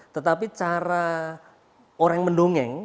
tetapi cara orang mendongeng